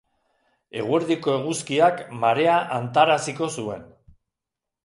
Eguerdiko eguzkiak marea hantaraziko zuen.